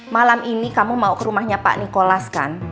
malam ini kamu mau ke rumahnya pak nikolas kan